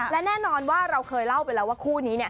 และแน่นอนว่าเราเคยเล่าไปแล้วว่าคู่นี้เนี่ย